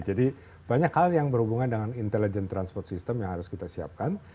jadi banyak hal yang berhubungan dengan intelligent transport system yang harus kita siapkan